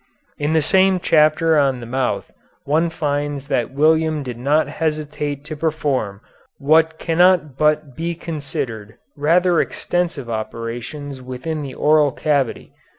In the same chapter on the mouth one finds that William did not hesitate to perform what cannot but be considered rather extensive operations within the oral cavity.